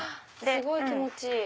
すごい気持ちいい。